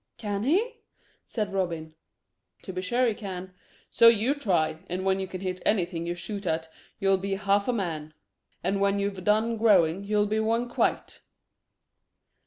"Can he?" said Robin. "To be sure he can; so you try, and when you can hit anything you shoot at you'll be half a man. And when you've done growing you'll be one quite."